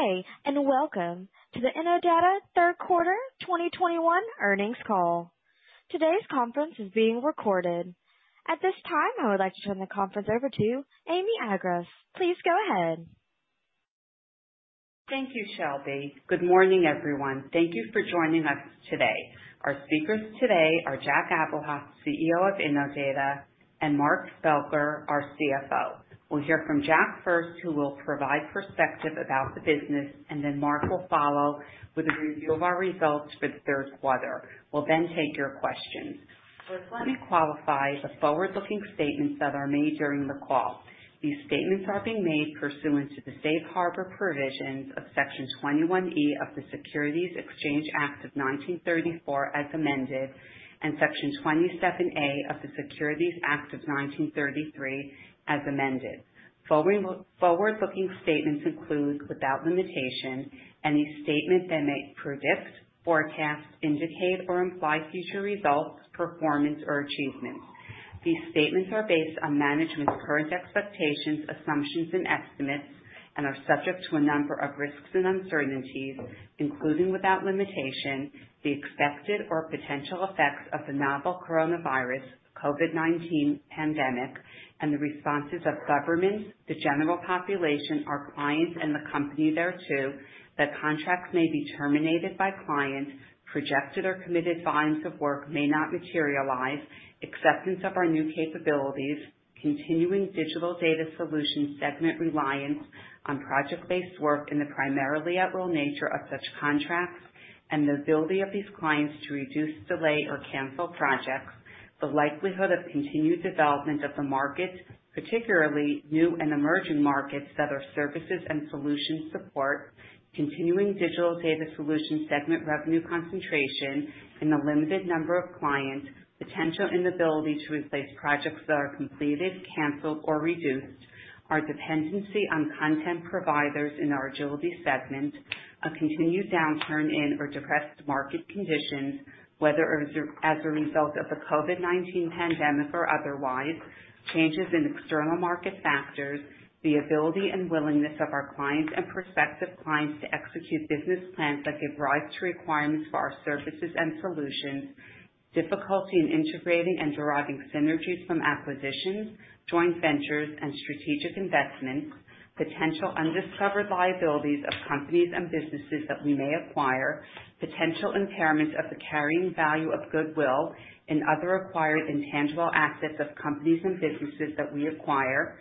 Good day, and welcome to the Innodata third quarter 2021 earnings call. Today's conference is being recorded. At this time, I would like to turn the conference over to Amy Agress. Please go ahead. Thank you, Shelby. Good morning, everyone. Thank you for joining us today. Our speakers today are Jack Abuhoff, CEO of Innodata, and Mark Spelker, our CFO. We'll hear from Jack first, who will provide perspective about the business, and then Mark will follow with a review of our results for the third quarter. We'll then take your questions. We're going to qualify the forward-looking statements that are made during the call. These statements are being made pursuant to the Safe Harbor provisions of Section 21E of the Securities Exchange Act of 1934 as amended, and Section 27A of the Securities Act of 1933 as amended. Forward-looking statements include, without limitation, any statement that may predict, forecast, indicate, or imply future results, performance, or achievements. These statements are based on management's current expectations, assumptions, and estimates and are subject to a number of risks and uncertainties, including, without limitation, the expected or potential effects of the novel coronavirus, COVID-19 pandemic and the responses of governments, the general population, our clients, and the Company thereto, that contracts may be terminated by clients, projected or committed volumes of work may not materialize, acceptance of our new capabilities, continuing Digital Data Solutions segment reliance on project-based work, and the primarily at-will nature of such contracts, and the ability of these clients to reduce, delay, or cancel projects, the likelihood of continued development of the market, particularly new and emerging markets that our services and solutions support. Continuing digital data solutions segment revenue concentration in a limited number of clients, potential inability to replace projects that are completed, canceled or reduced, our dependency on content providers in our Agility segment, a continued downturn in or depressed market conditions, whether as a result of the COVID-19 pandemic or otherwise, changes in external market factors, the ability and willingness of our clients and prospective clients to execute business plans that give rise to requirements for our services and solutions, difficulty in integrating and deriving synergies from acquisitions, joint ventures and strategic investments, potential undiscovered liabilities of companies and businesses that we may acquire, potential impairment of the carrying value of goodwill and other acquired intangible assets of companies and businesses that we acquire.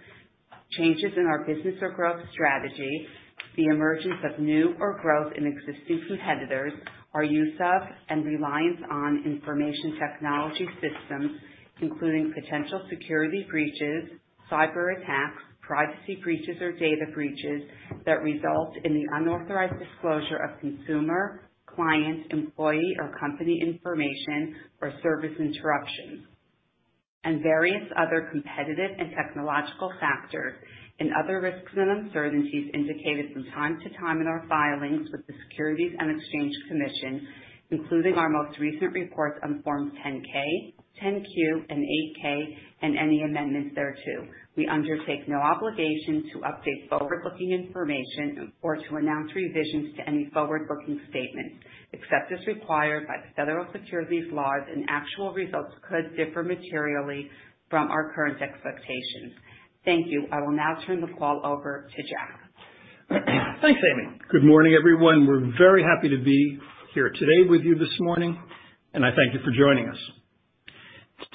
Changes in our business or growth strategy, the emergence of new or growth in existing competitors, our use of and reliance on information technology systems, including potential security breaches, cyberattacks, privacy breaches or data breaches that result in the unauthorized disclosure of consumer, client, employee or company information or service interruptions, and various other competitive and technological factors, and other risks and uncertainties indicated from time to time in our filings with the Securities and Exchange Commission, including our most recent reports on Forms 10-K, 10-Q, and 8-K, and any amendments thereto. We undertake no obligation to update forward-looking information or to announce revisions to any forward-looking statements, except as required by federal securities laws, and actual results could differ materially from our current expectations. Thank you. I will now turn the call over to Jack. Thanks, Amy. Good morning, everyone. We're very happy to be here today with you this morning, and I thank you for joining us.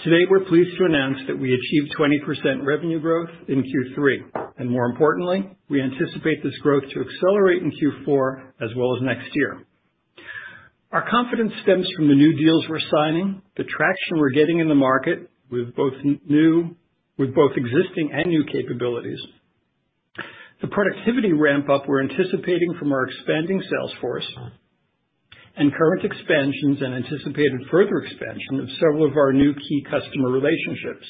Today, we're pleased to announce that we achieved 20% revenue growth in Q3. More importantly, we anticipate this growth to accelerate in Q4 as well as next year. Our confidence stems from the new deals we're signing, the traction we're getting in the market with both existing and new capabilities. The productivity ramp-up we're anticipating from our expanding sales force and current expansions and anticipated further expansion of several of our new key customer relationships.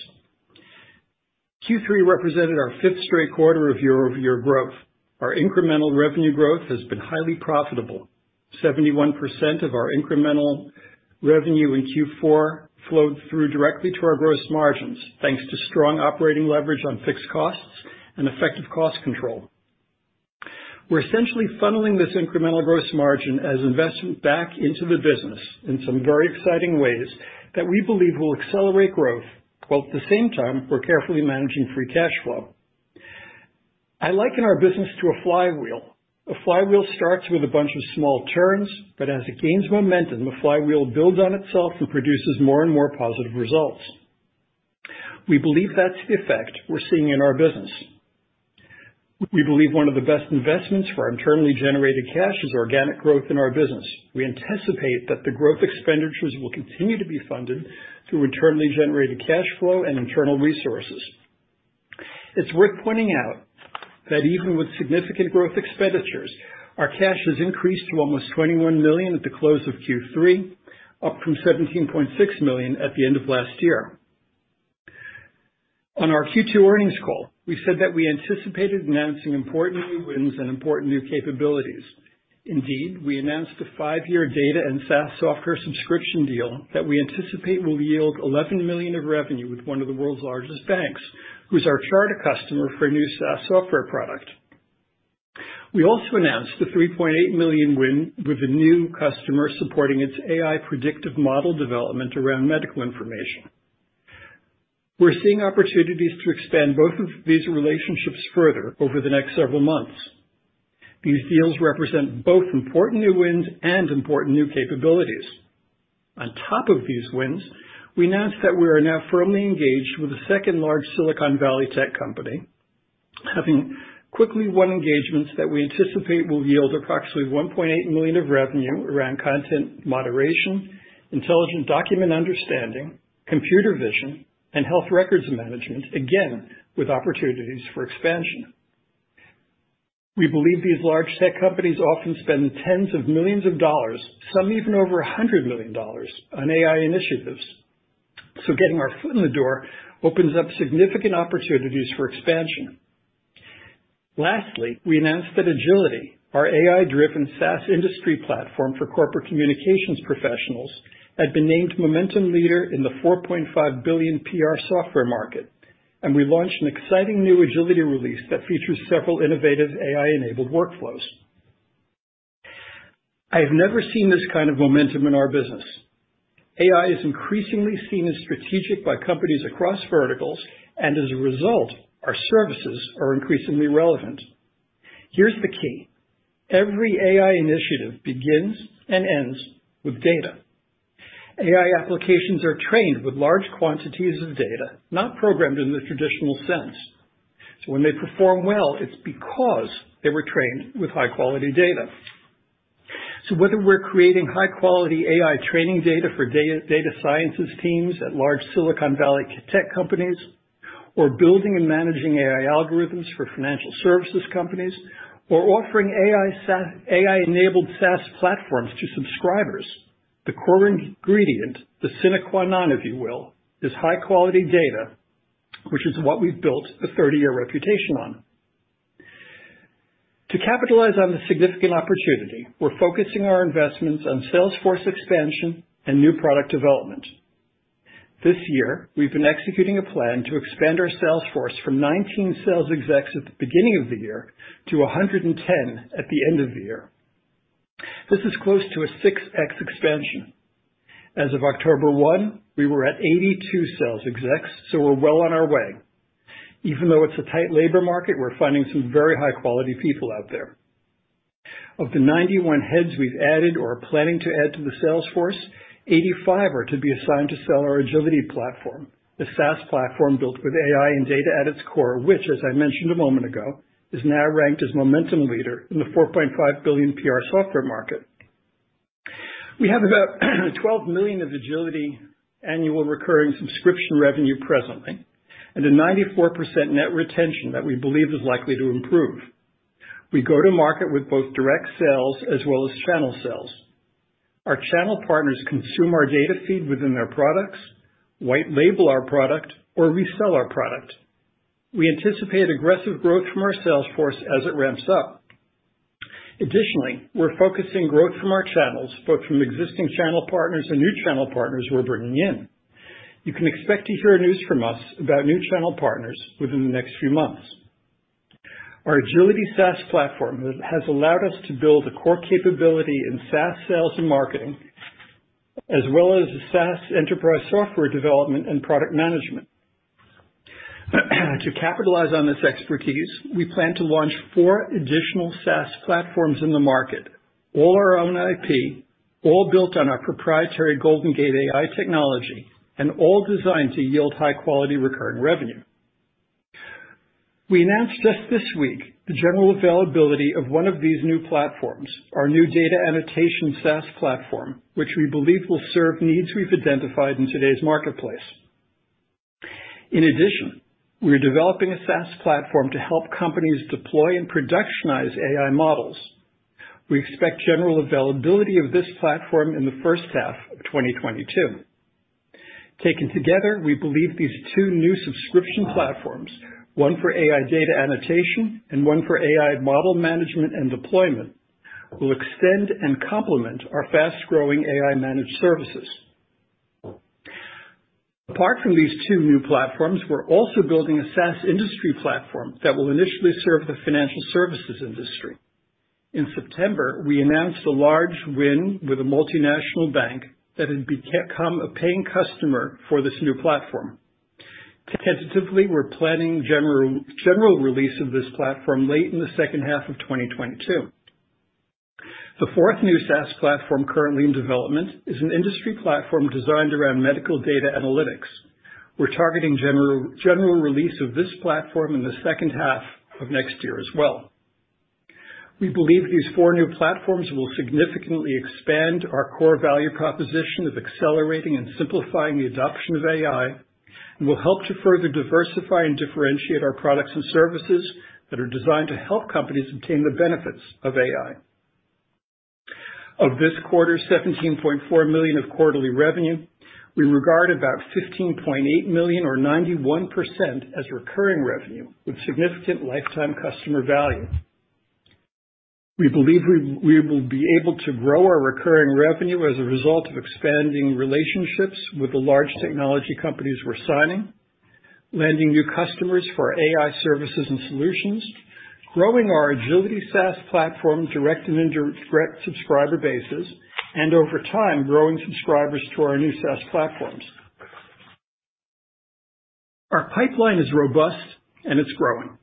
Q3 represented our fifth straight quarter of year-over-year growth. Our incremental revenue growth has been highly profitable. 71% of our incremental revenue in Q4 flowed through directly to our gross margins, thanks to strong operating leverage on fixed costs and effective cost control. We're essentially funneling this incremental gross margin as investment back into the business in some very exciting ways that we believe will accelerate growth, while at the same time, we're carefully managing free cash flow. I liken our business to a flywheel. A flywheel starts with a bunch of small turns, but as it gains momentum, the flywheel builds on itself and produces more and more positive results. We believe that's the effect we're seeing in our business. We believe one of the best investments for our internally generated cash is organic growth in our business. We anticipate that the growth expenditures will continue to be funded through internally generated cash flow and internal resources. It's worth pointing out that even with significant growth expenditures, our cash has increased to almost $21 million at the close of Q3, up from $17.6 million at the end of last year. On our Q2 earnings call, we said that we anticipated announcing important new wins and important new capabilities. Indeed, we announced a five-year data and SaaS software subscription deal that we anticipate will yield $11 million of revenue with one of the world's largest banks, who's our charter customer for a new SaaS software product. We also announced a $3.8 million win with a new customer supporting its AI predictive model development around medical information. We're seeing opportunities to expand both of these relationships further over the next several months. These deals represent both important new wins and important new capabilities. On top of these wins, we announced that we are now firmly engaged with a second large Silicon Valley tech company, having quickly won engagements that we anticipate will yield approximately $1.8 million of revenue around content moderation, intelligent document understanding, computer vision, and health records management, again, with opportunities for expansion. We believe these large tech companies often spend tens of millions of dollars, some even over $100 million, on AI initiatives. Getting our foot in the door opens up significant opportunities for expansion. Lastly, we announced that Agility, our AI-driven SaaS industry platform for corporate communications professionals, had been named Momentum Leader in the $4.5 billion PR software market, and we launched an exciting new Agility release that features several innovative AI-enabled workflows. I have never seen this kind of momentum in our business. AI is increasingly seen as strategic by companies across verticals, and as a result, our services are increasingly relevant. Here's the key. Every AI initiative begins and ends with data. AI applications are trained with large quantities of data, not programmed in the traditional sense. When they perform well, it's because they were trained with high-quality data. Whether we're creating high-quality AI training data for data sciences teams at large Silicon Valley tech companies, or building and managing AI algorithms for financial services companies, or offering AI-enabled SaaS platforms to subscribers, the core ingredient, the sine qua non, if you will, is high-quality data, which is what we've built a 30-year reputation on. To capitalize on this significant opportunity, we're focusing our investments on salesforce expansion and new product development. This year, we've been executing a plan to expand our salesforce from 19 sales execs at the beginning of the year to 110 at the end of the year. This is close to a 6x expansion. As of October 1, we were at 82 sales execs, so we're well on our way. Even though it's a tight labor market, we're finding some very high-quality people out there. Of the 91 heads we've added or are planning to add to the sales force, 85 are to be assigned to sell our Agility platform, the SaaS platform built with AI and data at its core, which as I mentioned a moment ago, is now ranked as Momentum Leader in the $4.5 billion PR software market. We have about $12 million of Agility annual recurring subscription revenue presently, and a 94% net retention that we believe is likely to improve. We go to market with both direct sales as well as channel sales. Our channel partners consume our data feed within their products, white label our product, or resell our product. We anticipate aggressive growth from our sales force as it ramps up. Additionally, we're focusing growth from our channels, both from existing channel partners and new channel partners we're bringing in. You can expect to hear news from us about new channel partners within the next few months. Our Agility SaaS platform has allowed us to build a core capability in SaaS sales and marketing, as well as SaaS enterprise software development and product management. To capitalize on this expertise, we plan to launch four additional SaaS platforms in the market, all our own IP, all built on our proprietary Golden Gate AI technology, and all designed to yield high-quality recurring revenue. We announced just this week the general availability of one of these new platforms, our new data annotation SaaS platform, which we believe will serve needs we've identified in today's marketplace. In addition, we're developing a SaaS platform to help companies deploy and productionize AI models. We expect general availability of this platform in the first half of 2022. Taken together, we believe these two new subscription platforms, one for AI data annotation and one for AI model management and deployment, will extend and complement our fast-growing AI managed services. Apart from these two new platforms, we're also building a SaaS industry platform that will initially serve the financial services industry. In September, we announced a large win with a multinational bank that had become a paying customer for this new platform. Tentatively, we're planning general release of this platform late in the second half of 2022. The fourth new SaaS platform currently in development is an industry platform designed around medical data analytics. We're targeting general release of this platform in the second half of next year as well. We believe these four new platforms will significantly expand our core value proposition of accelerating and simplifying the adoption of AI, and will help to further diversify and differentiate our products and services that are designed to help companies obtain the benefits of AI. Of this quarter's $17.4 million of quarterly revenue, we regard about $15.8 million or 91% as recurring revenue with significant lifetime customer value. We believe we will be able to grow our recurring revenue as a result of expanding relationships with the large technology companies we're signing, landing new customers for our AI services and solutions, growing our Agility SaaS platform direct and indirect subscriber bases, and over time, growing subscribers to our new SaaS platforms. Our pipeline is robust and it's growing.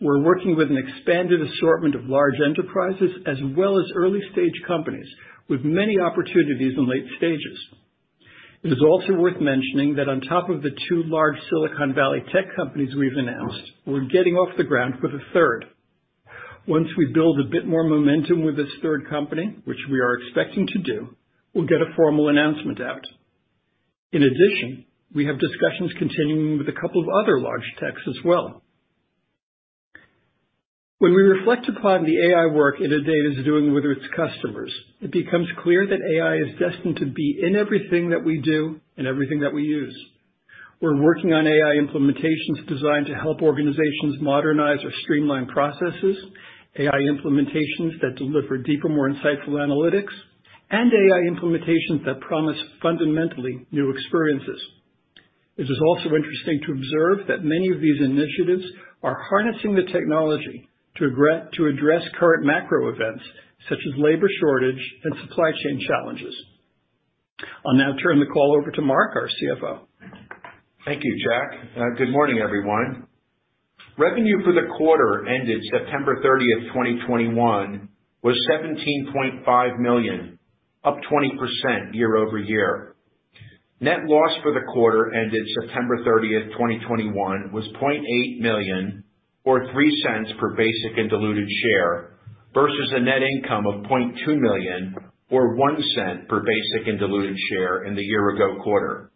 We're working with an expanded assortment of large enterprises as well as early stage companies with many opportunities in late stages. It is also worth mentioning that on top of the two large Silicon Valley tech companies we've announced, we're getting off the ground with a third. Once we build a bit more momentum with this third company, which we are expecting to do, we'll get a formal announcement out. In addition, we have discussions continuing with a couple of other large techs as well. When we reflect upon the AI work Innodata is doing with its customers, it becomes clear that AI is destined to be in everything that we do and everything that we use. We're working on AI implementations designed to help organizations modernize or streamline processes, AI implementations that deliver deeper, more insightful analytics, and AI implementations that promise fundamentally new experiences. It is also interesting to observe that many of these initiatives are harnessing the technology to address current macro events such as labor shortage and supply chain challenges. I'll now turn the call over to Mark, our CFO. Thank you, Jack. Good morning, everyone. Revenue for the quarter ended September 30, 2021 was $17.5 million, up 20% year-over-year. Net loss for the quarter ended September 30, 2021 was $0.8 million or $0.03 per basic and diluted share versus a net income of $0.2 million or $0.01 per basic and diluted share in the year-ago quarter.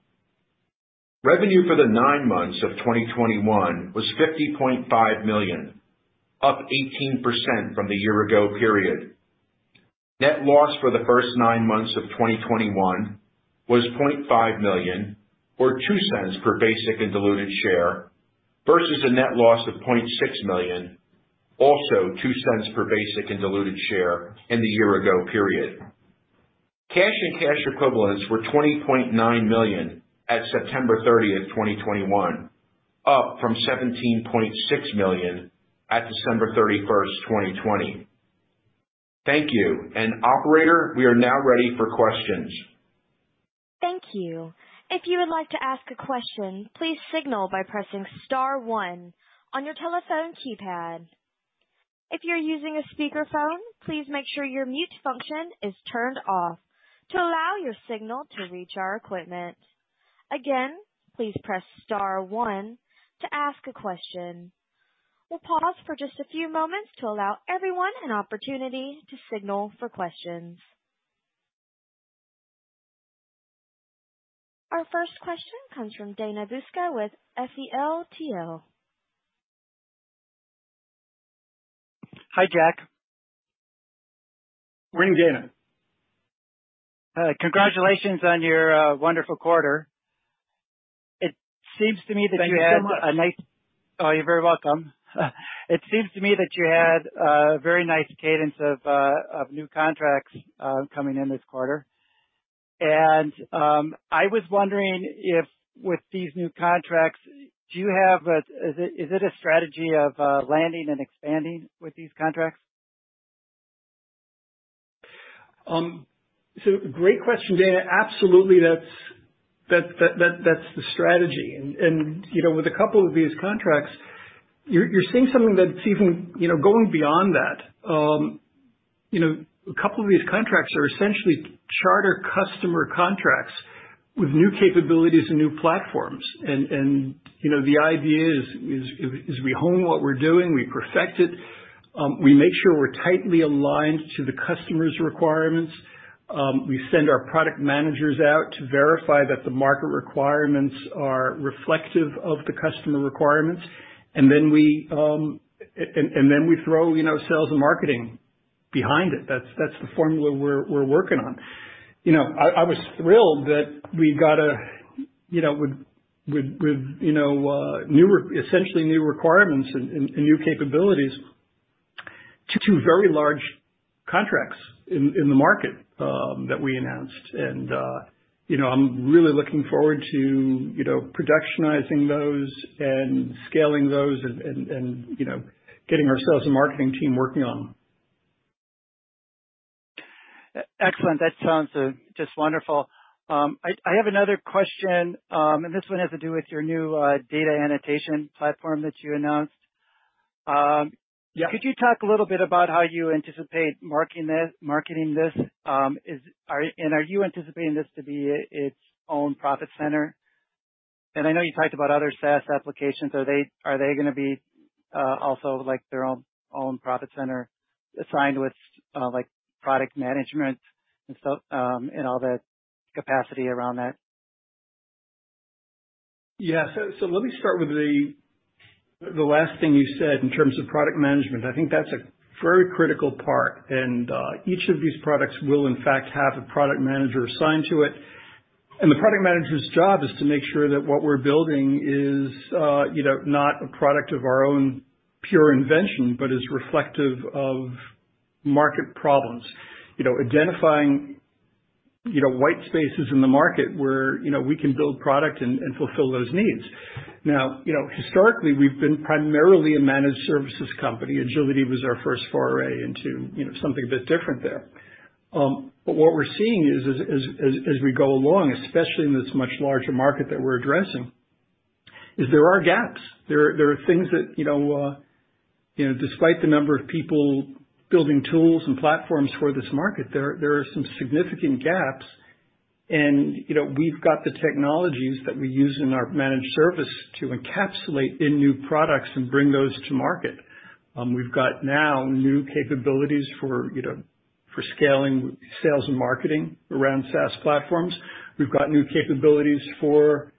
Revenue for the nine months of 2021 was $50.5 million, up 18% from the year-ago period. Net loss for the first nine months of 2021 was $0.5 million or $0.02 Per basic and diluted share versus a net loss of $0.6 million, also $0.02 per basic and diluted share in the year-ago period. Cash and cash equivalents were $20.9 million at September 30, 2021, up from $17.6 million at December 31, 2020. Thank you. Operator, we are now ready for questions. Thank you. If you would like to ask a question, please signal by pressing star one on your telephone keypad. If you're using a speakerphone, please make sure your mute function is turned off to allow your signal to reach our equipment. Again, please press star one to ask a question. We'll pause for just a few moments to allow everyone an opportunity to signal for questions. Our first question comes from Dana Buska with Feltl. Hi, Jack. Morning, Dana. Congratulations on your wonderful quarter. It seems to me that you had Thank you so much. Oh, you're very welcome. It seems to me that you had a very nice cadence of new contracts coming in this quarter. I was wondering if with these new contracts, is it a strategy of landing and expanding with these contracts? Great question, Dana. Absolutely, that's the strategy. You know, with a couple of these contracts, you're seeing something that's even you know, going beyond that. You know, a couple of these contracts are essentially charter customer contracts with new capabilities and new platforms. You know, the idea is we hone what we're doing, we perfect it, we make sure we're tightly aligned to the customer's requirements, we send our product managers out to verify that the market requirements are reflective of the customer requirements, and then we throw you know, sales and marketing behind it. That's the formula we're working on. You know, I was thrilled that we got a, you know, win with essentially new requirements and new capabilities to two very large contracts in the market that we announced. You know, I'm really looking forward to, you know, productionizing those and scaling those and, you know, getting our sales and marketing team working on them. Excellent. That sounds just wonderful. I have another question, and this one has to do with your new data annotation platform that you announced. Yeah. Could you talk a little bit about how you anticipate marketing this? Are you anticipating this to be its own profit center? I know you talked about other SaaS applications. Are they going to be like their own profit center assigned with like product management and stuff and all the capacity around that? Yeah. Let me start with the last thing you said in terms of product management. I think that's a very critical part and each of these products will in fact have a product manager assigned to it. And the product manager's job is to make sure that what we're building is you know not a product of our own pure invention, but is reflective of market problems. You know identifying you know white spaces in the market where you know we can build product and fulfill those needs. Now you know historically we've been primarily a managed services company. Agility was our first foray into you know something a bit different there. But what we're seeing is as we go along especially in this much larger market that we're addressing is there are gaps. There are things that, you know, despite the number of people building tools and platforms for this market, there are some significant gaps. You know, we've got the technologies that we use in our managed service to encapsulate in new products and bring those to market. We've got now new capabilities for, you know, for scaling sales and marketing around SaaS platforms. We've got new capabilities for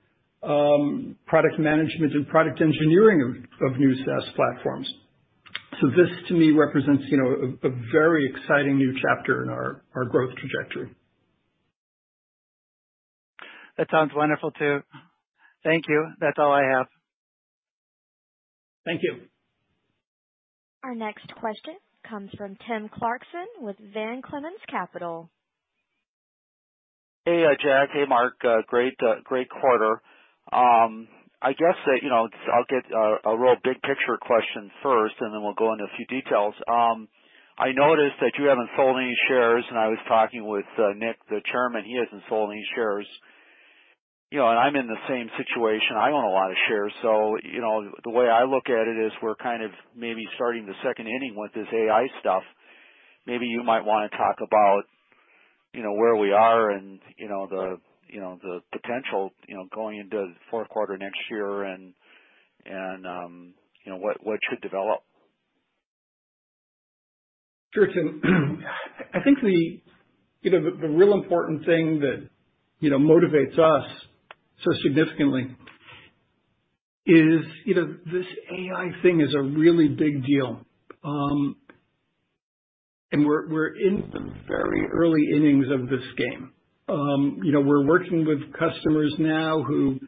product management and product engineering of new SaaS platforms. This to me represents, you know, a very exciting new chapter in our growth trajectory. That sounds wonderful, too. Thank you. That's all I have. Thank you. Our next question comes from Tim Clarkson with Van Clemens & Co. Hey, Jack. Hey, Mark. Great quarter. I guess that, you know, I'll get a real big picture question first, and then we'll go into a few details. I noticed that you haven't sold any shares, and I was talking with Nick, the chairman, he hasn't sold any shares. You know, and I'm in the same situation. I own a lot of shares. So, you know, the way I look at it is we're kind of maybe starting the second inning with this AI stuff. Maybe you might want to talk about, you know, where we are and, you know, the potential, you know, going into the fourth quarter next year and what should develop. Sure, Tim. I think the real important thing that you know motivates us so significantly is you know this AI thing is a really big deal. We're in the very early innings of this game. You know, we're working with customers now who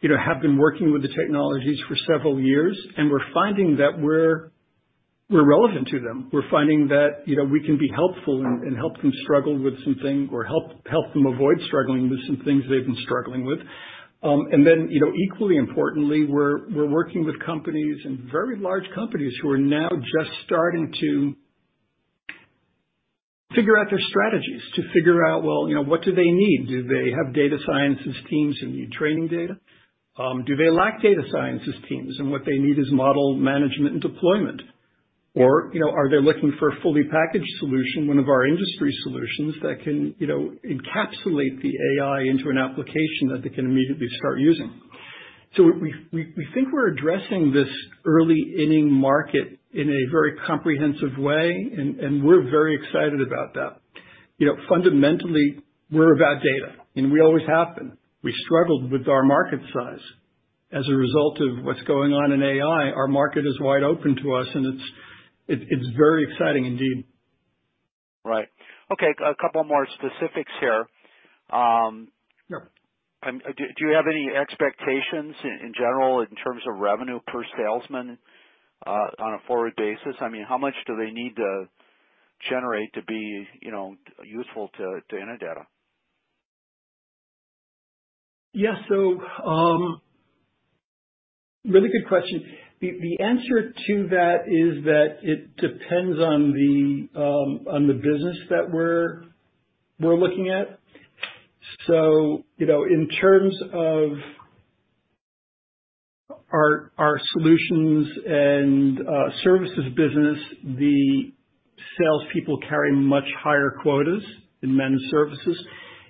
you know have been working with the technologies for several years, and we're finding that we're relevant to them. We're finding that you know we can be helpful and help them struggle with some things or help them avoid struggling with some things they've been struggling with. You know, equally importantly, we're working with companies and very large companies who are now just starting to figure out their strategies to figure out well you know what do they need? Do they have data science teams and need training data? Do they lack data sciences teams and what they need is model management and deployment? Or, you know, are they looking for a fully packaged solution, one of our industry solutions that can, you know, encapsulate the AI into an application that they can immediately start using? We think we're addressing this early inning market in a very comprehensive way, and we're very excited about that. You know, fundamentally, we're about data, and we always have been. We struggled with our market size. As a result of what's going on in AI, our market is wide open to us, and it's very exciting indeed. Right. Okay, a couple more specifics here. Sure. Do you have any expectations in general in terms of revenue per salesman, on a forward basis? I mean, how much do they need to generate to be, you know, useful to Innodata? Yeah. Really good question. The answer to that is that it depends on the business that we're looking at. You know, in terms of our solutions and services business, the salespeople carry much higher quotas in managed services.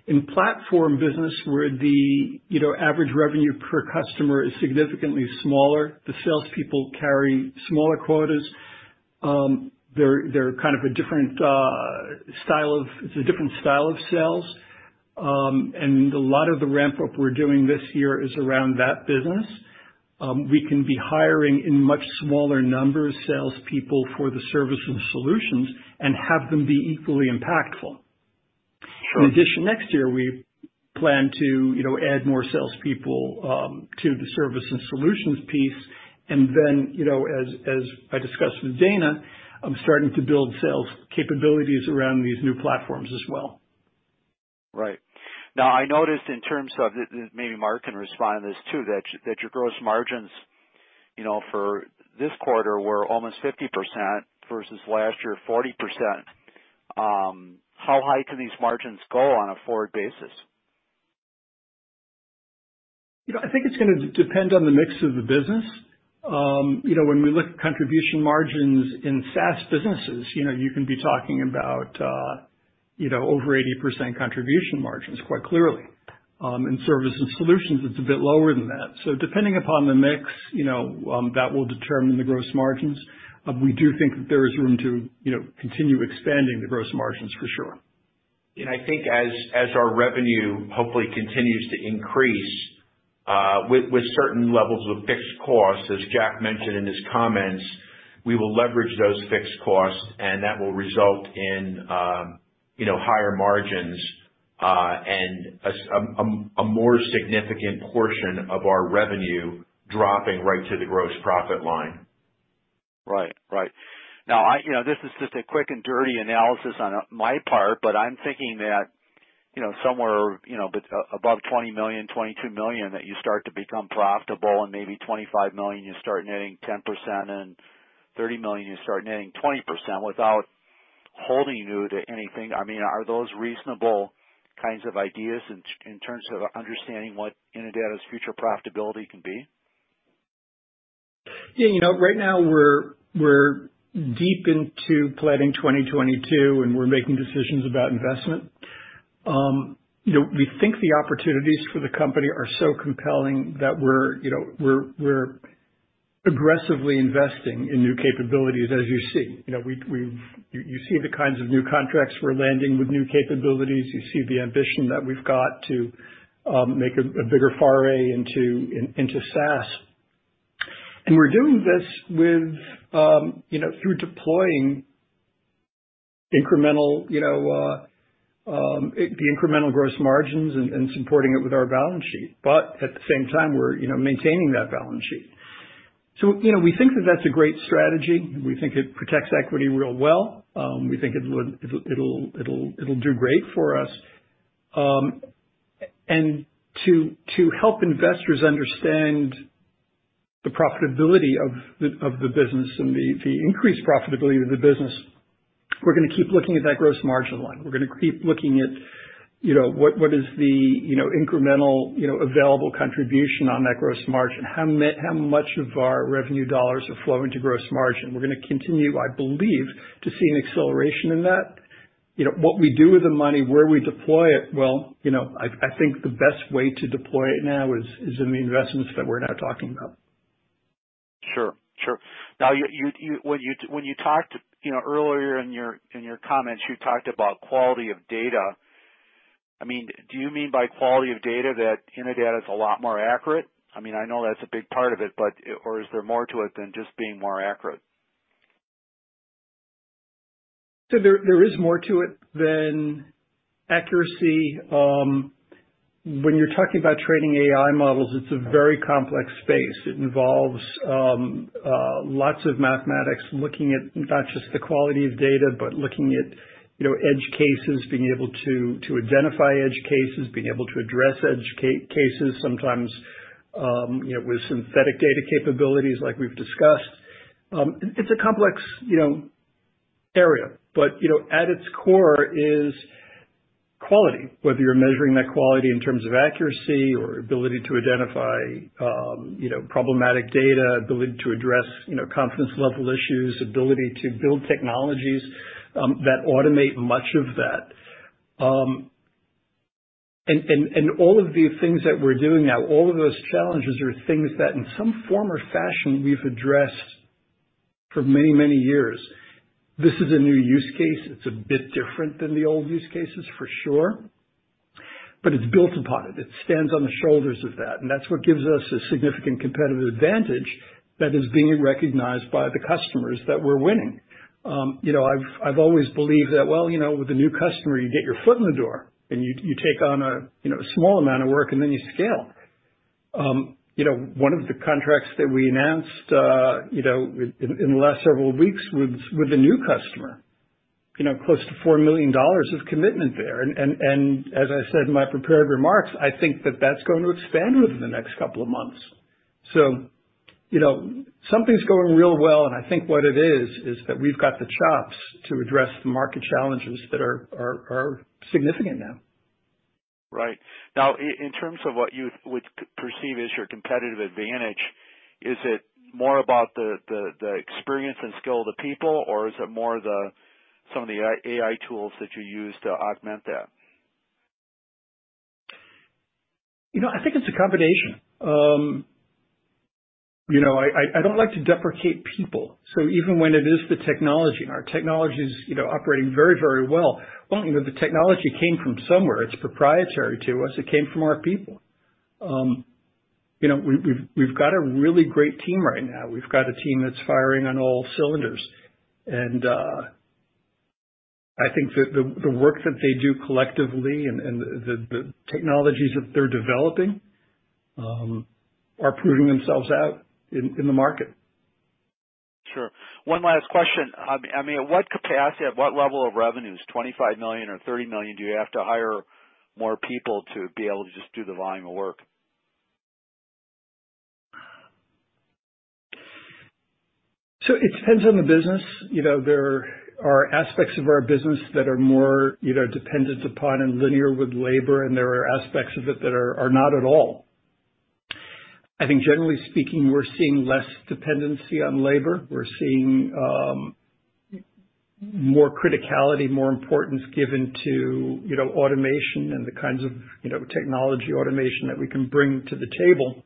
In platform business where, you know, the average revenue per customer is significantly smaller, the salespeople carry smaller quotas. It's a different style of sales. A lot of the ramp-up we're doing this year is around that business. We can be hiring in much smaller numbers salespeople for the service and solutions and have them be equally impactful. Sure. In addition, next year, we plan to, you know, add more salespeople to the service and solutions piece. You know, as I discussed with Dana, I'm starting to build sales capabilities around these new platforms as well. Right. Now, I noticed in terms of the, maybe Mark can respond to this too, that your gross margins, you know, for this quarter were almost 50% versus last year, 40%. How high can these margins go on a forward basis? You know, I think it's going to depend on the mix of the business. You know, when we look at contribution margins in SaaS businesses, you know, you can be talking about over 80% contribution margins quite clearly. In service and solutions, it's a bit lower than that. Depending upon the mix, you know, that will determine the gross margins. We do think that there is room to continue expanding the gross margins for sure. I think as our revenue hopefully continues to increase, with certain levels of fixed costs, as Jack mentioned in his comments, we will leverage those fixed costs and that will result in, you know, higher margins, and a more significant portion of our revenue dropping right to the gross profit line. Right. Now, you know, this is just a quick and dirty analysis on my part, but I'm thinking that, you know, somewhere above $20 million, $22 million, that you start to become profitable and maybe $25 million, you start netting 10% and $30 million, you start netting 20% without holding you to anything. I mean, are those reasonable kinds of ideas in terms of understanding what Innodata's future profitability can be? Yeah, you know, right now we're deep into planning 2022, and we're making decisions about investment. You know, we think the opportunities for the company are so compelling that we're, you know, aggressively investing in new capabilities, as you see. You know, you see the kinds of new contracts we're landing with new capabilities. You see the ambition that we've got to make a bigger foray into SaaS. We're doing this with you know, through deploying incremental, you know, the incremental gross margins and supporting it with our balance sheet. At the same time we're, you know, maintaining that balance sheet. You know, we think that that's a great strategy. We think it protects equity really well. We think it'll do great for us. To help investors understand the profitability of the business and the increased profitability of the business, we're going to keep looking at that gross margin line. We're going to keep looking at, you know, what is the, you know, incremental, you know, available contribution on that gross margin? How much of our revenue dollars are flowing to gross margin? We're going to continue, I believe, to see an acceleration in that. You know, what we do with the money, where we deploy it, well, you know, I think the best way to deploy it now is in the investments that we're now talking about. Sure, sure. Now, when you talked, you know, earlier in your comments, you talked about quality of data. I mean, do you mean by quality of data that Innodata is a lot more accurate? I mean, I know that's a big part of it, but, or is there more to it than just being more accurate? There is more to it than accuracy. When you're talking about training AI models, it's a very complex space. It involves lots of mathematics, looking at not just the quality of data, but looking at, you know, edge cases, being able to identify edge cases, being able to address edge cases sometimes, you know, with synthetic data capabilities like we've discussed. It's a complex, you know, area, but, you know, at its core is quality, whether you're measuring that quality in terms of accuracy or ability to identify, you know, problematic data, ability to address, you know, confidence level issues, ability to build technologies that automate much of that. All of the things that we're doing now, all of those challenges are things that in some form or fashion we've addressed for many, many years. This is a new use case. It's a bit different than the old use cases for sure, but it's built upon it. It stands on the shoulders of that, and that's what gives us a significant competitive advantage that is being recognized by the customers that we're winning. You know, I've always believed that, you know, with a new customer, you get your foot in the door and you take on a, you know, small amount of work and then you scale. You know, one of the contracts that we announced, you know, in the last several weeks with a new customer, you know, close to $4 million of commitment there. As I said in my prepared remarks, I think that that's going to expand within the next couple of months. You know, something's going real well, and I think what it is that we've got the chops to address the market challenges that are significant now. Right. Now in terms of what you would perceive as your competitive advantage, is it more about the experience and skill of the people, or is it more some of the AI tools that you use to augment that? You know, I think it's a combination. You know, I don't like to deprecate people, so even when it is the technology and our technology is, you know, operating very well, you know, the technology came from somewhere. It's proprietary to us. It came from our people. You know, we've got a really great team right now. We've got a team that's firing on all cylinders. I think that the work that they do collectively and the technologies that they're developing are proving themselves out in the market. Sure. One last question. I mean, at what capacity, at what level of revenues, $25 million or $30 million, do you have to hire more people to be able to just do the volume of work? It depends on the business. You know, there are aspects of our business that are more either dependent upon and linear with labor, and there are aspects of it that are not at all. I think generally speaking, we're seeing less dependency on labor. We're seeing more criticality, more importance given to, you know, automation and the kinds of, you know, technology automation that we can bring to the table.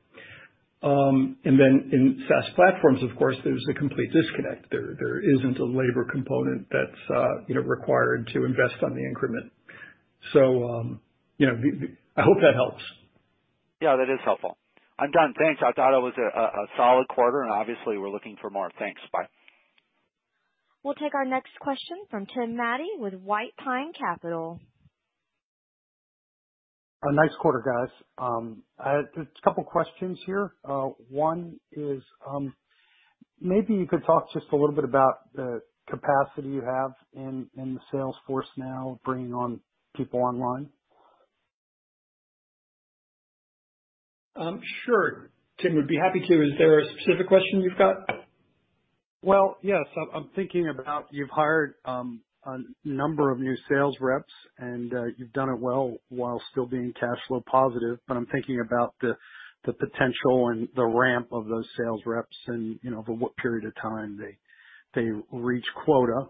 In SaaS platforms, of course, there's the complete disconnect. There isn't a labor component that's, you know, required to invest on the increment. I hope that helps. Yeah, that is helpful. I'm done. Thanks. I thought it was a solid quarter, and obviously we're looking for more. Thanks. Bye. We'll take our next question from Tim Madey with White Pine Capital. A nice quarter, guys. I have just a couple questions here. One is, maybe you could talk just a little bit about the capacity you have in the sales force now, bringing on people online? Sure, Tim, would be happy to. Is there a specific question you've got? Well, yes. I'm thinking about you've hired a number of new sales reps and you've done it well while still being cash flow positive, but I'm thinking about the potential and the ramp of those sales reps and, you know, over what period of time they reach quota.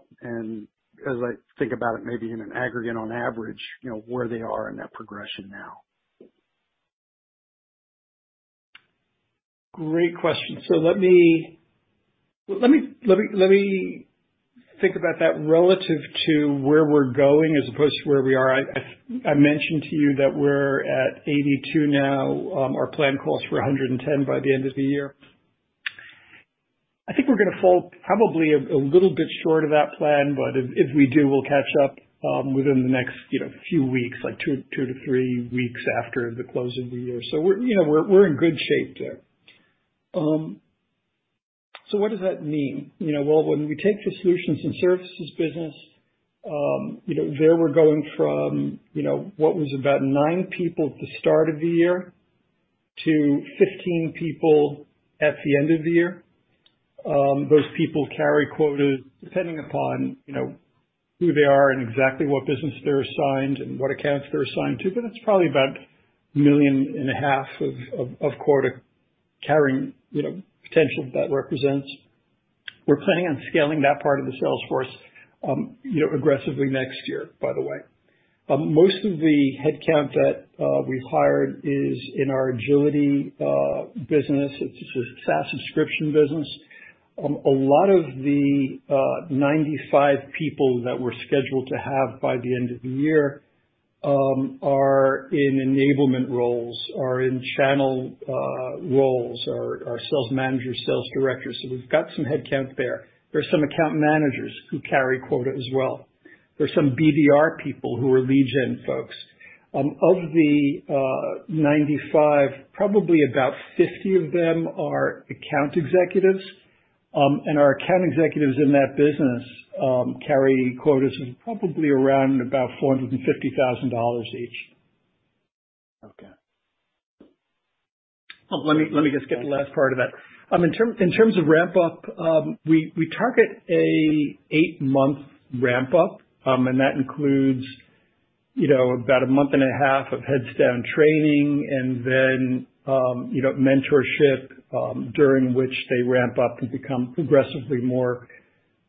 As I think about it, maybe in an aggregate on average, you know, where they are in that progression now. Great question. Let me think about that relative to where we're going as opposed to where we are. I mentioned to you that we're at 82 now. Our plan calls for 110 by the end of the year. I think we're going to fall probably a little bit short of that plan, but if we do, we'll catch up within the next, you know, few weeks, like two to three weeks after the close of the year. We're, you know, we're in good shape there. What does that mean? You know, well, when we take the solutions and services business, you know, there we're going from, you know, what was about nine people at the start of the year to 15 people at the end of the year. Those people carry quotas depending upon, you know, who they are and exactly what business they're assigned and what accounts they're assigned to, but it's probably about $1.5 million of quota carrying, you know, potential that represents. We're planning on scaling that part of the sales force, you know, aggressively next year, by the way. Most of the headcount that we've hired is in our Agility business. It's a SaaS subscription business. A lot of the 95 people that we're scheduled to have by the end of the year are in enablement roles or in channel roles or are sales managers, sales directors. We've got some headcount there. There's some account managers who carry quota as well. There's some BDR people who are lead gen folks. Of the 95, probably about 50 of them are account executives, and our account executives in that business carry quotas of probably around about $450,000 each. Okay. Let me just get the last part of that. In terms of ramp up, we target a eight-month ramp up, and that includes, you know, about a month and a half of heads down training and then, you know, mentorship, during which they ramp up and become progressively more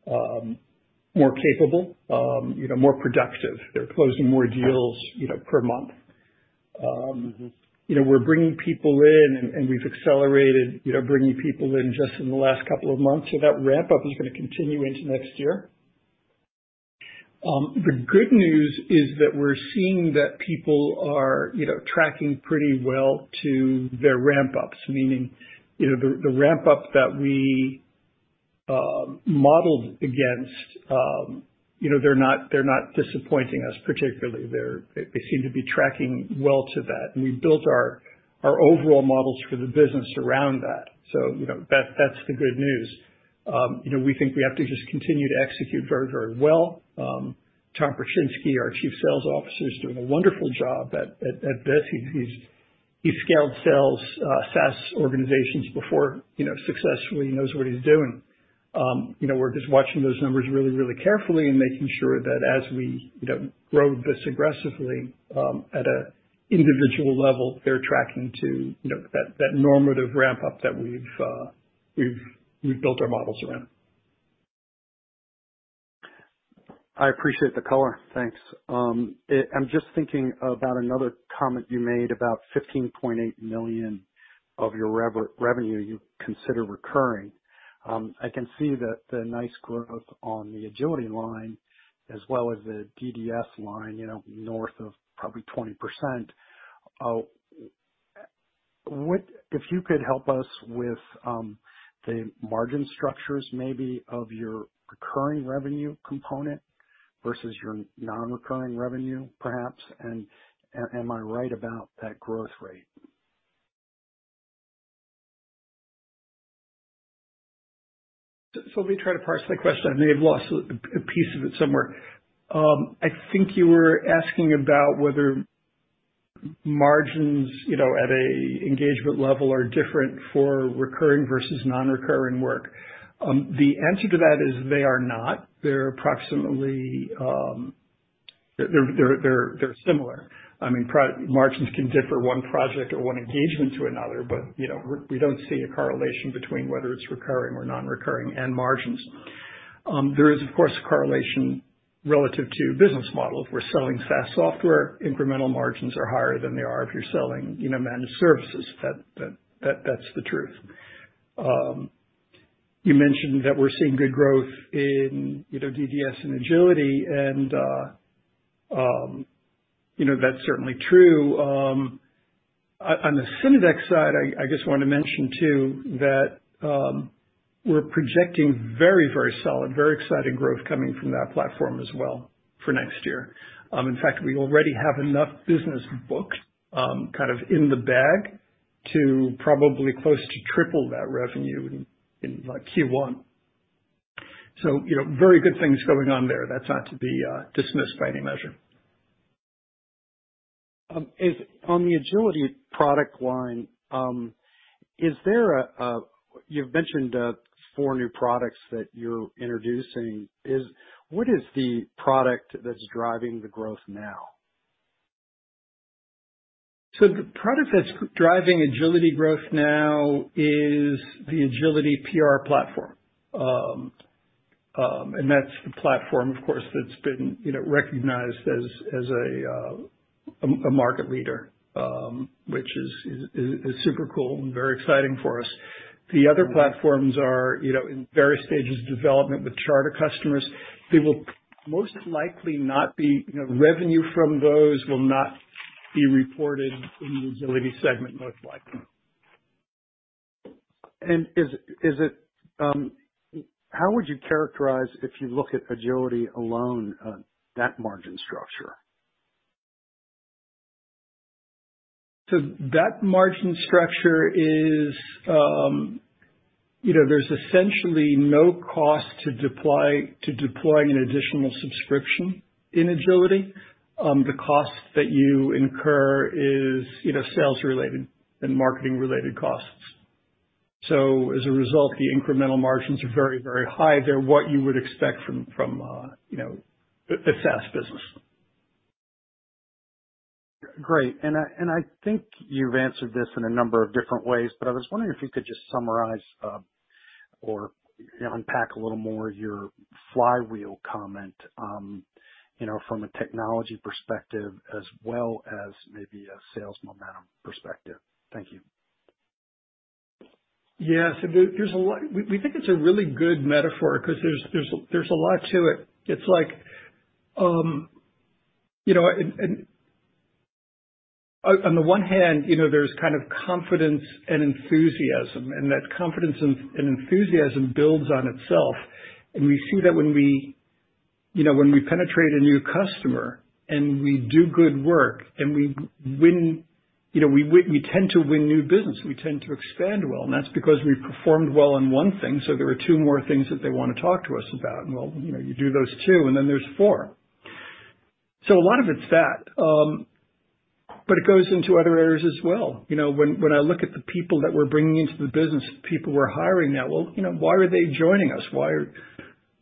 capable, you know, more productive. They're closing more deals, you know, per month. Mm-hmm. You know, we're bringing people in and we've accelerated, you know, bringing people in just in the last couple of months, so that ramp up is going to continue into next year. The good news is that we're seeing that people are, you know, tracking pretty well to their ramp ups, meaning, you know, the ramp up that we modeled against, you know, they're not disappointing us particularly. They seem to be tracking well to that. We built our overall models for the business around that. You know, that's the good news. You know, we think we have to just continue to execute very, very well. Tom Perchinsky, our Chief Sales Officer, is doing a wonderful job at this. He's scaled sales, SaaS organizations before, you know, successfully. He knows what he's doing. You know, we're just watching those numbers really, really carefully and making sure that as we, you know, grow this aggressively, at a individual level, they're tracking to, you know, that normative ramp up that we've built our models around. I appreciate the color. Thanks. I'm just thinking about another comment you made about $15.8 million of your revenue you consider recurring. I can see the nice growth on the Agility line as well as the DDS line, you know, north of probably 20%. If you could help us with the margin structures maybe of your recurring revenue component versus your non-recurring revenue, perhaps. Am I right about that growth rate? Let me try to parse that question. I may have lost a piece of it somewhere. I think you were asking about whether margins, you know, at an engagement level are different for recurring versus non-recurring work. The answer to that is they are not. They're approximately similar. I mean, Margins can differ from one project or one engagement to another, but you know, we don't see a correlation between whether it's recurring or non-recurring and margins. There is of course correlation relative to business model. If we're selling SaaS software, incremental margins are higher than they are if you're selling, you know, managed services. That's the truth. You mentioned that we're seeing good growth in, you know, DDS and Agility, and you know, that's certainly true. On the Synodex side, I just want to mention too that we're projecting very solid, very exciting growth coming from that platform as well for next year. In fact, we already have enough business booked, kind of in the bag to probably close to triple that revenue in like Q1. You know, very good things going on there. That's not to be dismissed by any measure. Is on the Agility product line. You've mentioned four new products that you're introducing. What is the product that's driving the growth now? The product that's driving Agility growth now is the Agility PR platform. That's the platform of course that's been you know recognized as a market leader, which is super cool and very exciting for us. The other platforms are you know in various stages of development with charter customers. They will most likely not be. You know, revenue from those will not be reported in the Agility segment, most likely. How would you characterize if you look at Agility alone, that margin structure? That margin structure is, you know, there's essentially no cost to deploy, to deploying an additional subscription in Agility. The cost that you incur is, you know, sales related and marketing related costs. As a result, the incremental margins are very, very high. They're what you would expect from, you know, a SaaS business. Great. I think you've answered this in a number of different ways, but I was wondering if you could just summarize or you know unpack a little more your flywheel comment you know from a technology perspective as well as maybe a sales momentum perspective. Thank you. Yes. There's a lot. We think it's a really good metaphor because there's a lot to it. It's like, you know, on the one hand, you know, there's kind of confidence and enthusiasm, and that confidence and enthusiasm builds on itself. We see that when we penetrate a new customer and we do good work, and we tend to win new business, we tend to expand well, and that's because we've performed well on one thing, so there are two more things that they want to talk to us about. Well, you know, you do those two, and then there's four. A lot of it's that, but it goes into other areas as well. You know, when I look at the people that we're bringing into the business, people we're hiring now, well, you know, why are they joining us? Why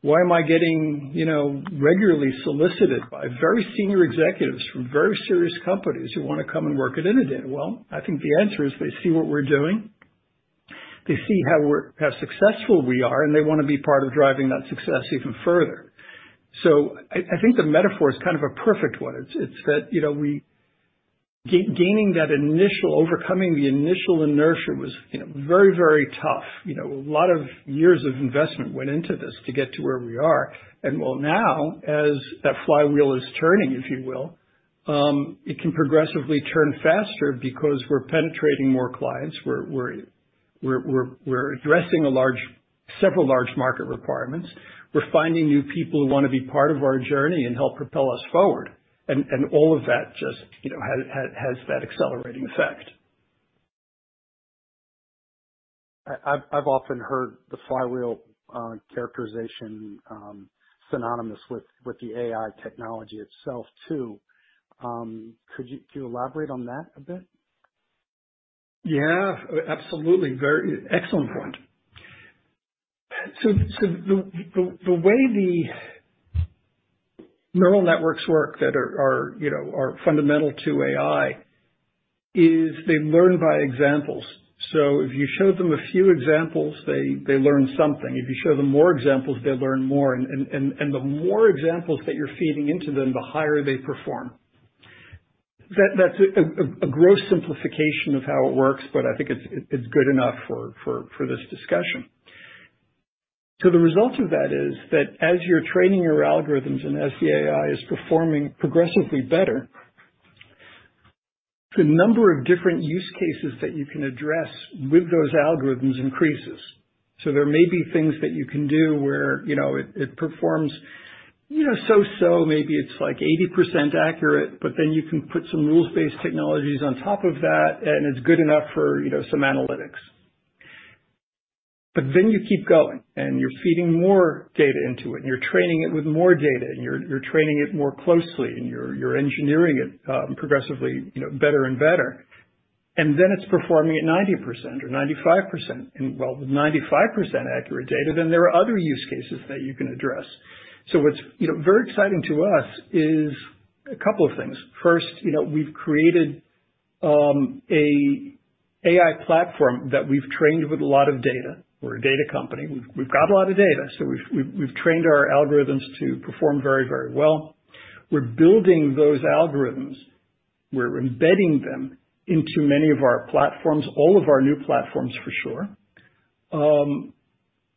am I getting, you know, regularly solicited by very senior executives from very serious companies who want to come and work at Innodata? Well, I think the answer is they see what we're doing, they see how successful we are, and they want to be part of driving that success even further. I think the metaphor is kind of a perfect one. It's that, you know, overcoming the initial inertia was, you know, very tough. You know, a lot of years of investment went into this to get to where we are. Well now, as that flywheel is turning, if you will, it can progressively turn faster because we're penetrating more clients. We're addressing several large market requirements. We're finding new people who want to be part of our journey and help propel us forward. All of that just, you know, has that accelerating effect. I've often heard the flywheel characterization synonymous with the AI technology itself too. Can you elaborate on that a bit? Yeah, absolutely. Very excellent point. The way the neural networks work that are, you know, fundamental to AI is they learn by examples. If you show them a few examples, they learn something. If you show them more examples, they learn more. The more examples that you're feeding into them, the higher they perform. That's a gross simplification of how it works, but I think it's good enough for this discussion. The result of that is that as you're training your algorithms and as the AI is performing progressively better, the number of different use cases that you can address with those algorithms increases. There may be things that you can do where, you know, it performs, you know, so-so, maybe it's like 80% accurate, but then you can put some rules-based technologies on top of that, and it's good enough for, you know, some analytics. Then you keep going, and you're feeding more data into it, and you're training it with more data, and you're training it more closely, and you're engineering it progressively, you know, better and better. Then it's performing at 90% or 95%. Well, with 95% accurate data, then there are other use cases that you can address. What's, you know, very exciting to us is a couple of things. First, you know, we've created an AI platform that we've trained with a lot of data. We're a data company. We've got a lot of data, so we've trained our algorithms to perform very, very well. We're building those algorithms. We're embedding them into many of our platforms, all of our new platforms for sure.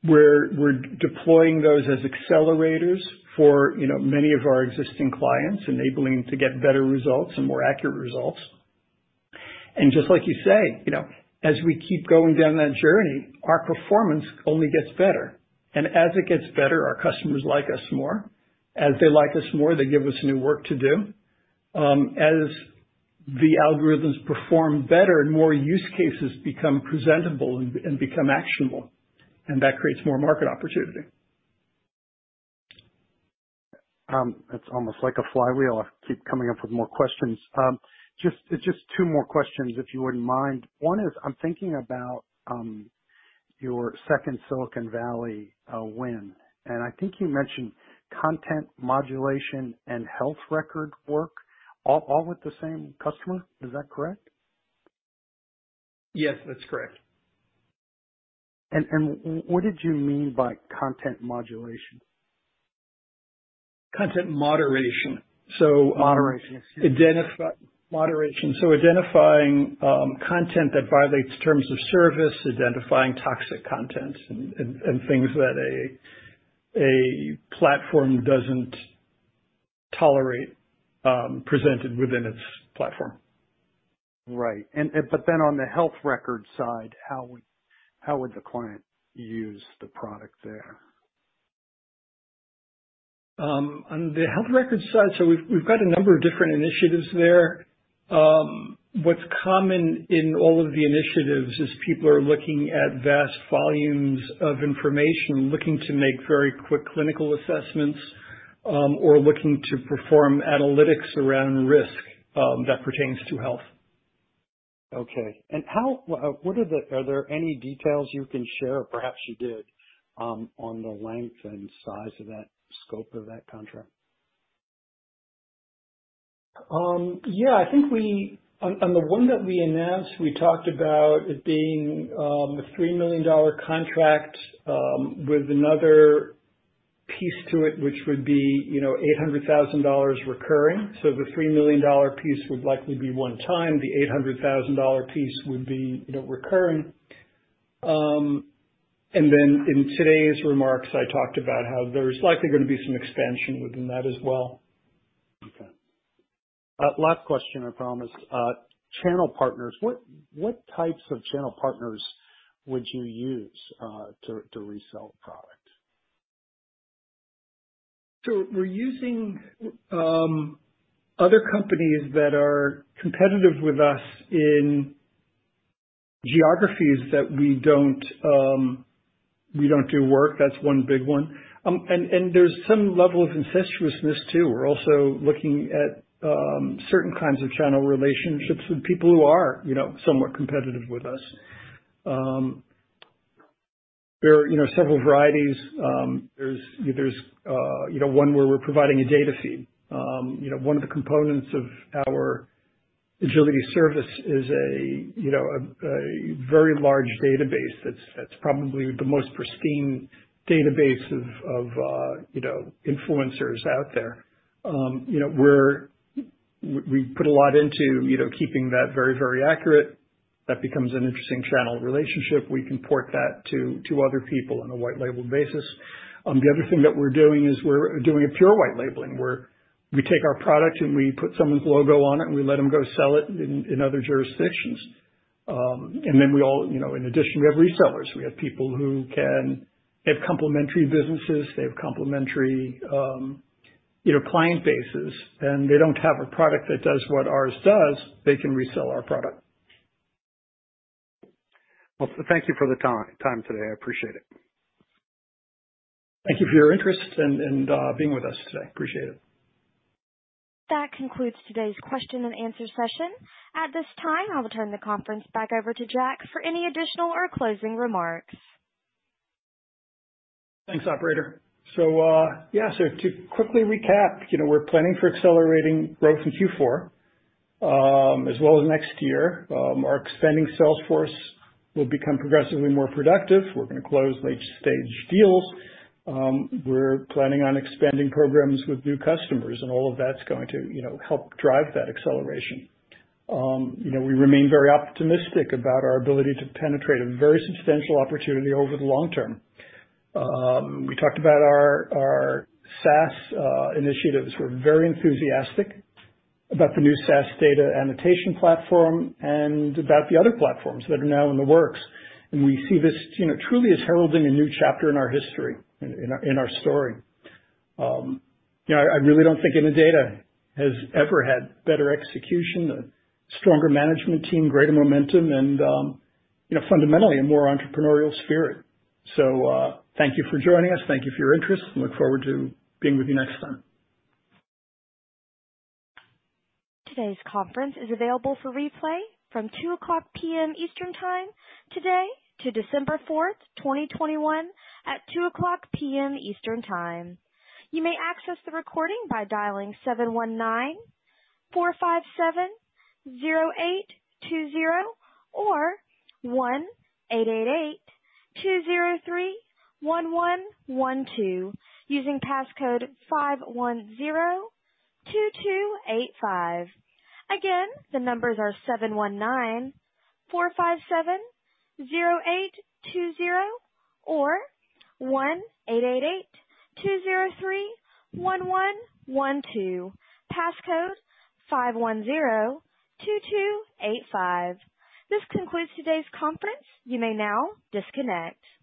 We're deploying those as accelerators for, you know, many of our existing clients, enabling to get better results and more accurate results. Just like you say, you know, as we keep going down that journey, our performance only gets better. As it gets better, our customers like us more. As they like us more, they give us new work to do. As the algorithms perform better, more use cases become presentable and become actionable, and that creates more market opportunity. It's almost like a flywheel. I keep coming up with more questions. Just two more questions, if you wouldn't mind. One is, I'm thinking about your second Silicon Valley win, and I think you mentioned content moderation and health record work all with the same customer. Is that correct? Yes, that's correct. What did you mean by content moderation? Content moderation. Moderation. Excuse me. Identifying content that violates terms of service, identifying toxic content and things that a platform doesn't tolerate, presented within its platform. Right. On the health record side, how would the client use the product there? On the health records side, so we've got a number of different initiatives there. What's common in all of the initiatives is people are looking at vast volumes of information, looking to make very quick clinical assessments, or looking to perform analytics around risk that pertains to health. Okay. Are there any details you can share, or perhaps you did on the length and size of that scope of that contract? Yeah, I think on the one that we announced, we talked about it being a $3 million contract with another piece to it, which would be, you know, $800,000 recurring. The $3 million piece would likely be one time. The $800,000 piece would be, you know, recurring. In today's remarks, I talked about how there's likely going to be some expansion within that as well. Okay. Last question, I promise. Channel partners. What types of channel partners would you use to resell product? We're using other companies that are competitive with us in geographies that we don't do work. That's one big one. There's some level of incestuousness too. We're also looking at certain kinds of channel relationships with people who are, you know, somewhat competitive with us. There are, you know, several varieties. There's, you know, one where we're providing a data feed. You know, one of the components of our Agility service is a you know, a very large database that's probably the most pristine database of you know, influencers out there. You know, we put a lot into, you know, keeping that very, very accurate. That becomes an interesting channel relationship. We can port that to other people on a white label basis. The other thing that we're doing is we're doing a pure white labeling, where we take our product and we put someone's logo on it and we let them go sell it in other jurisdictions. Then we also, you know, in addition, we have resellers. We have people who can. They have complementary businesses. They have complementary client bases, and they don't have a product that does what ours does. They can resell our product. Well, thank you for the time today. I appreciate it. Thank you for your interest and being with us today. Appreciate it. That concludes today's question and answer session. At this time, I'll return the conference back over to Jack for any additional or closing remarks. Thanks, operator. Yeah. To quickly recap, you know, we're planning for accelerating growth in Q4, as well as next year. Our expanding sales force will become progressively more productive. We're going to close late-stage deals. We're planning on expanding programs with new customers, and all of that's going to, you know, help drive that acceleration. You know, we remain very optimistic about our ability to penetrate a very substantial opportunity over the long term. We talked about our SaaS initiatives. We're very enthusiastic about the new SaaS data annotation platform and about the other platforms that are now in the works. We see this, you know, truly as heralding a new chapter in our history, in our story. You know, I really don't think Innodata has ever had better execution, a stronger management team, greater momentum and fundamentally a more entrepreneurial spirit. Thank you for joining us. Thank you for your interest and look forward to being with you next time. Today's conference is available for replay from 2:00 P.M. Eastern Time today to December 4th, 2021 at 2:00 P.M. Eastern Time. You may access the recording by dialing 719-457-0820 or 1-888-203-1112 using passcode 5102285. Again, the numbers are 719-457-0820 or 1-888-203-1112. Passcode 5102285. This concludes today's conference. You may now disconnect.